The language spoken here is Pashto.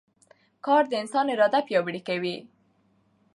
کار د انسان اراده پیاوړې کوي